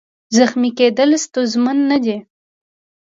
زخمي کېدل ستونزمن نه دي.